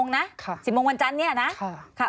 ได้ค่ะ๑๐โมงหวันจันทร์เนี่ยนะ